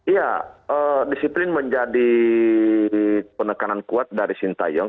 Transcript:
ya disiplin menjadi penekanan kuat dari sinta yong